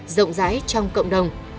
rộng rãi trong cộng đồng